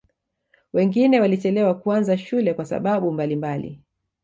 wengine walichelewa kuanza shule kwa sababu mbalimbali